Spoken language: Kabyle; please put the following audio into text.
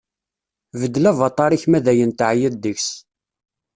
Beddel avaṭar-ik ma dayen teɛyiḍ deg-s.